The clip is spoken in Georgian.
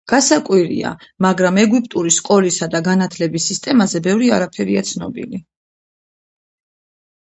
გასაკვირია, მაგრამ ეგვიპტური სკოლისა და განათლების სისტემაზე ბევრი არაფერია ცნობილი.